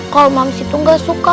kalau mangs itu gak suka